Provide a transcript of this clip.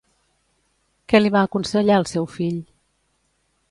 Què li va aconsellar al seu fill?